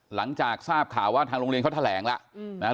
หลังจากทราบข่าวว่าทางโรงเรียนเขาแถลงแล้วนะครับ